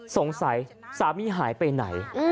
สงสัยสามีหายไปไหน